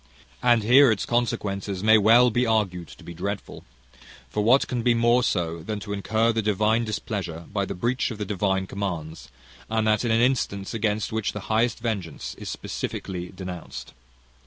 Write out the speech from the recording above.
"And here its consequences may well be argued to be dreadful; for what can be more so, than to incur the divine displeasure, by the breach of the divine commands; and that in an instance against which the highest vengeance is specifically denounced?